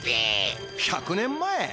１００年前？